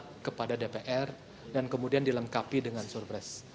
kepada dpr dan kemudian dilengkapi dengan surpres